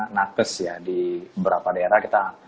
nakes ya di beberapa daerah kita